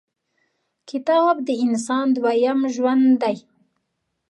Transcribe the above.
• کتاب، د انسان دویم ژوند دی.